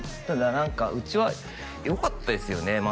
ただ何かウチはよかったですよね